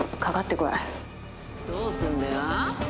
どうすんだよ、ああ？